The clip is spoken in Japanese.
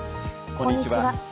こんにちは。